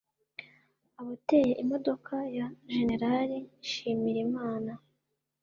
Abateye imodoka ya Jenerali Nshimirimana